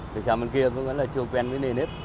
bên xa bên kia vẫn là chưa quen với nền hết